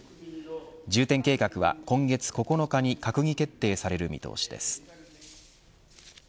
重点計画は今月９日に閣議決定される見通しです。